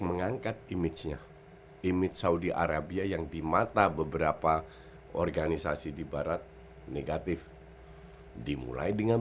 mengangkat imejnya imej saudi arabia yang dimata beberapa organisasi di barat negatif dimulai dengan